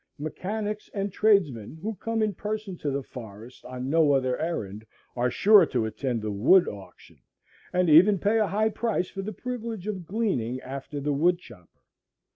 Mechanics and tradesmen who come in person to the forest on no other errand, are sure to attend the wood auction, and even pay a high price for the privilege of gleaning after the woodchopper.